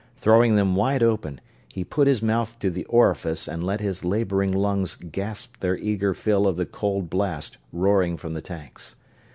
Throwing them wide open, he put his mouth to the orifice and let his laboring lungs gasp their eager fill of the cold blast roaring from the tanks.